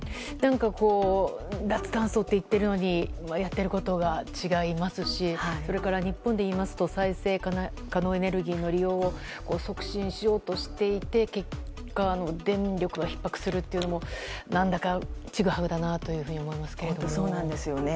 脱炭素と言っているのにやっていることが違いますしそれから日本でいいますと再生可能エネルギーの利用を促進しようとしていて結果、電力がひっ迫するというのも何だかちぐはぐだなと思いますけども。